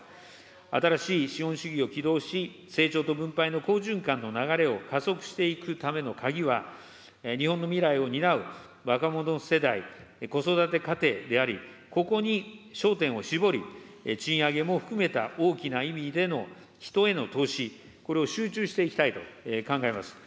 新しい資本主義を起動し、成長と分配の好循環の流れを加速していくための鍵は、日本の未来を担う若者世代・子育て家庭であり、ここに焦点を絞り、賃上げも含めた大きな意味での人への投資、これを集中していきたいと考えます。